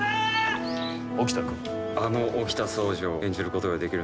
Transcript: あの沖田総司を演じることができる。